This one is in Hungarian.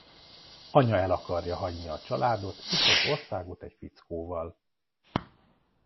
Anya el akarja hagyni a családot és az országot egy fickóval.